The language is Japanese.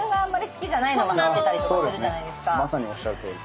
まさにおっしゃるとおり。